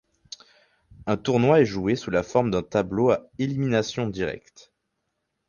Un tournoi est joué sous la forme d’un tableau à élimination directe.